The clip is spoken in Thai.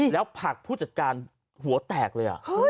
แล้วผลักผู้จัดการหัวแตกเลย